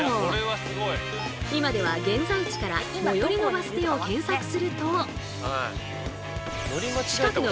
今では現在地から最寄りのバス停を検索すると。